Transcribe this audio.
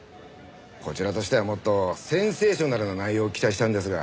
こちらとしてはもっとセンセーショナルな内容を期待したんですが。